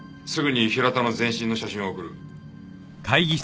すぐに平田の全身の写真を送る。